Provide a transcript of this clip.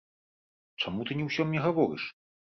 Чаму ты не ўсё мне гаворыш?